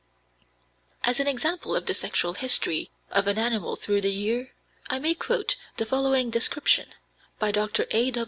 As an example of the sexual history of an animal through the year, I may quote the following description, by Dr. A.